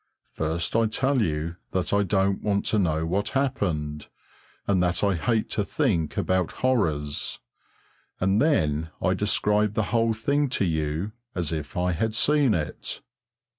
First I tell you that I don't want to know what happened, and that I hate to think about horrors, and then I describe the whole thing to you as if I had seen it.